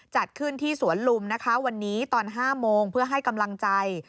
จัดขึ้นที่สวนลุมนะคะวันนี้ตอน๕โมงเพื่อให้กำลังใจ